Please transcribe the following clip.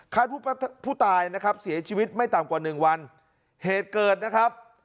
ผู้ตายนะครับเสียชีวิตไม่ต่ำกว่าหนึ่งวันเหตุเกิดนะครับ